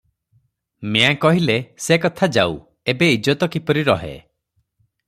"ମିଆଁ କହିଲେ --" ସେ କଥା ଯାଉ, ଏବେ ଇଜ୍ଜତ କିପରି ରହେ?